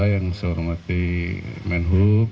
yang saya hormati menhub